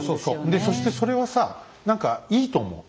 でそしてそれはさ何かいいと思う。